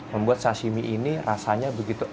membuat sashimi ini rasanya begitu